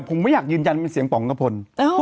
ผมไม่อยากยืนยันเป็นเสียงป๋องกระพล